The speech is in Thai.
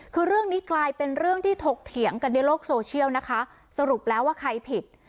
คือเรื่องนี้กลายเป็นเรื่องที่ถกเถียงกันในโลกโซเชียลนะคะสรุปแล้วว่าใครผิด